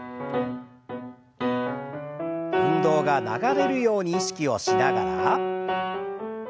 運動が流れるように意識をしながら。